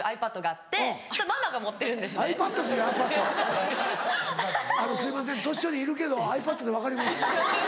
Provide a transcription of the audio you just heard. あのすいません年寄りいるけどｉＰａｄで分かります。